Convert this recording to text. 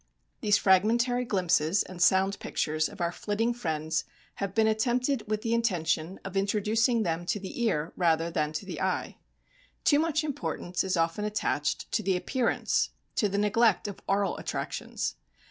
These fragmentary glimpses and sound pictures of our flitting friends have been attempted with the intention of introducing them to the ear rather than to the eye. Too much importance is often attached to the appearance to the neglect of aural attractions.